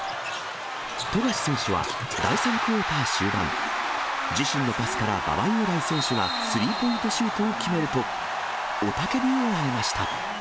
富樫選手は第３クオーター終盤、自身のパスから馬場雄大選手がスリーポイントシュートを決めると、雄たけびを上げました。